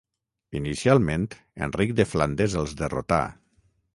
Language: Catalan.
Inicialment Enric de Flandes els derrotà.